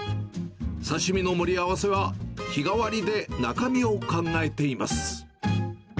刺身の盛り合わせは、日替わりで中身を考えています。